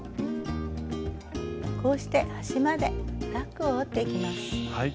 こうして端までタックを折っていきます。